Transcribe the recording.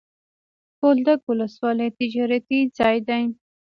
بولدک ولسوالي تجارتي ځای دی.